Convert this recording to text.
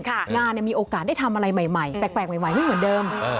งานมีโอกาสได้ทำอะไรใหม่แปลกใหม่ไม่เหมือนเดิม